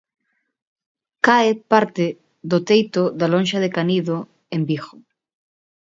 Cae parte do teito da lonxa de Canido en Vigo.